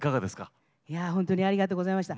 ほんとにありがとうございました。